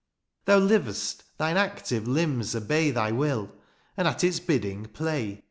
" Thou liv^st, thine active limbs obey ^^Thy will, and at its bidding play.